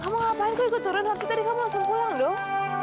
tapi gue turun harusnya tadi kamu langsung pulang dong